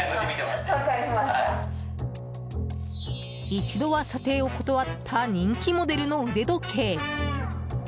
一度は査定を断った人気モデルの腕時計。